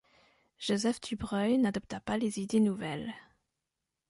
Joseph Dubreuil n'adopta pas les idées nouvelles.